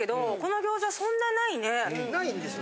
ないんですよ。